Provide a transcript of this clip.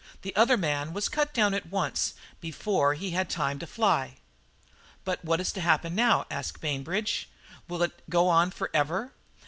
The other man was cut down at once, before he had time to fly." "But what is to happen now?" asked Bainbridge. "Will it go on for ever?